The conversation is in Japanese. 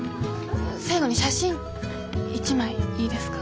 最後に写真一枚いいですか？